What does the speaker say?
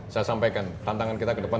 saya sampaikan tantangan kita ke depan